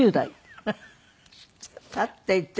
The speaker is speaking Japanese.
フフ立っていて？